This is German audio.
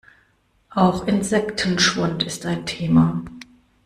Auch Insektenschwund ist ein Thema.